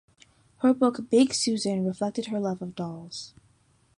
Her book "Big Susan" reflected her love of dolls.